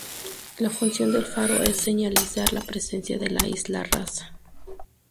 La función del faro es señalizar la presencia de la Isla Rasa.